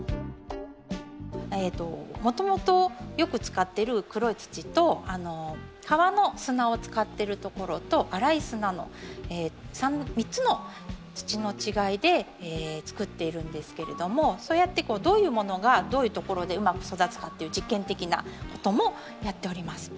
もともとよく使ってる黒い土と川の砂を使ってるところとあらい砂の３つの土の違いでつくっているんですけれどもそうやってどういうものがどういうところでうまく育つかという実験的なこともやっております。